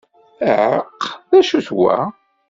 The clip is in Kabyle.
Ɛaq, D acu d wa?